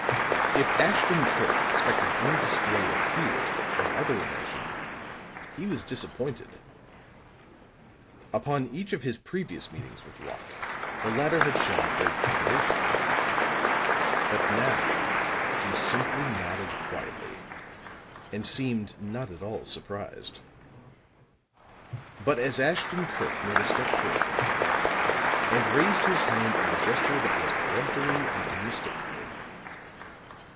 If Ashton Kirk expected any display of fear or other emotion, he was disappointed; upon each of his previous meetings with Locke the latter had shown great trepidation; but now he simply nodded quietly and seemed not at all surprised. But as Ashton Kirk made a step toward him, he rose and raised his hand in a gesture that was peremptory and unmistakable.